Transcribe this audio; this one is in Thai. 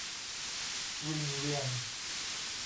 วิงเวียน